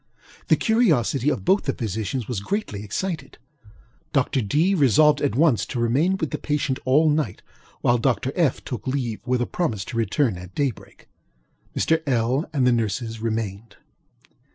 The curiosity of both the physicians was greatly excited. Dr. DŌĆöŌĆö resolved at once to remain with the patient all night, while Dr. FŌĆöŌĆö took leave with a promise to return at daybreak. Mr. LŌĆöl and the nurses remained.